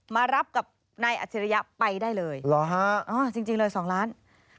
มารับกับนายอัจฉริยะไปได้เลยจริงเลย๒ล้าน